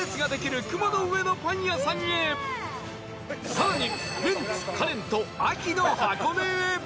更に